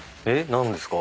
何ですか？